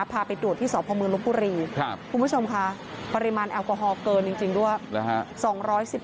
ไปตรวจที่สพมลบบุรีคุณผู้ชมค่ะปริมาณแอลกอฮอลเกินจริงด้วย